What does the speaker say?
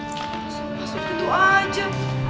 masuk masuk gitu aja